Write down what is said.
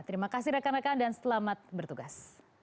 terima kasih rekan rekan dan selamat bertugas